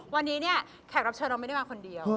วันนี้เนี่ยแขกรับเชิญเราไม่ได้มาคนเดียว